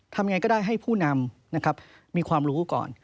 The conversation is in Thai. ทำยังไงก็ได้ให้ผู้นำนะครับมีความรู้ก่อน